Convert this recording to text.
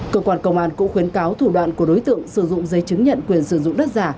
cơ quan công an cũng khuyến cáo thủ đoạn của đối tượng sử dụng dây chứng nhận quyền sử dụng đất giả